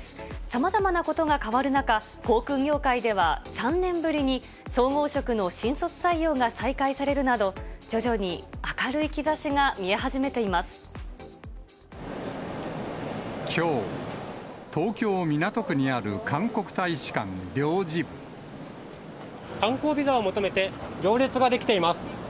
さまざまなことが変わる中、航空業界では３年ぶりに、総合職の新卒採用が再開されるなど、徐々に明るい兆しが見え始めきょう、東京・港区にある韓観光ビザを求めて行列が出来